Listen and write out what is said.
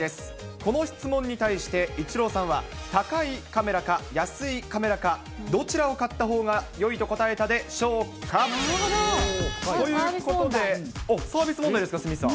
この質問に対してイチローさんは高いカメラか、安いカメラか、どちらを買ったほうがよいと答えたでしょうか。ということで、サービス問題ですか、鷲見さん。